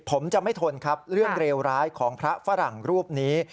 ผมจะไม่ทนครับเรื่องเลวร้ายของพระฝรั่งรูปนี้